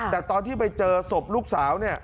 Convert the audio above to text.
แต่ตอนที่ไปเจอศพลูกสาว